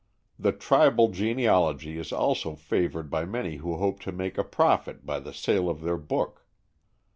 The tribal genealogy is also favored by many who hope to make a profit by the sale of their book.